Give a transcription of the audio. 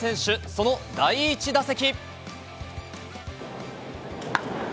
その第１打席。